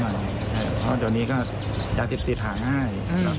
เพราะว่าตอนนี้จะถึงทิศหาง่าย